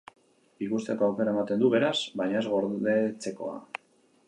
Ikusteko aukera ematen du beraz, baina ez gordetzekoa.